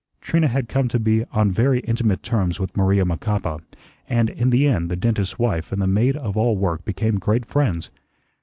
Trina had come to be on very intimate terms with Maria Macapa, and in the end the dentist's wife and the maid of all work became great friends.